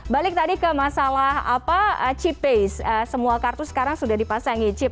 balik tadi ke masalah apa chip base semua kartu sekarang sudah dipasangin chip